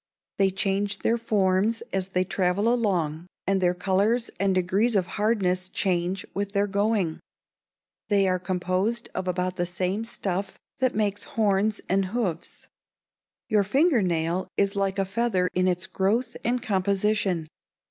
They change their forms as they travel along, and their colors and degrees of hardness change with their going. They are composed of about the same stuff that makes horns and hoofs. Your finger nail is like a feather in its growth and composition.